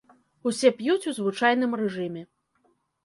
Усе п'юць у звычайным рэжыме.